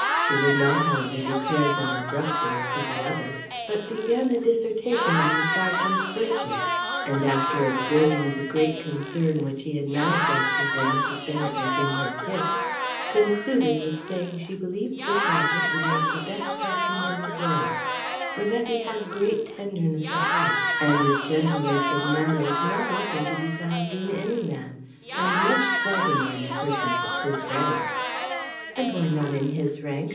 She would not, however, declare them abruptly to the other, but began a dissertation on the serjeant's virtues; and, after observing the great concern which he had manifested when Mrs. Bennet was in her fit, concluded with saying she believed the serjeant would make the best husband in the world, for that he had great tenderness of heart and a gentleness of manners not often to be found in any man, and much seldomer in persons of his rank. "And why not in his rank?"